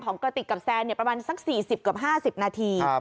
ของกระติกกับแซนเนี่ยประมาณสัก๔๐กว่า๕๐นาที